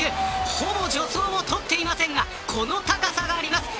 ほぼ助走も取っていませんがこの高さがあります。